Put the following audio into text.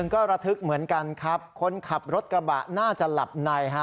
ก็ระทึกเหมือนกันครับคนขับรถกระบะน่าจะหลับในฮะ